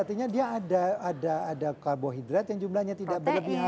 artinya dia ada karbohidrat yang jumlahnya tidak berlebihan